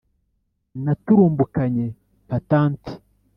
Naturumbukanye patanti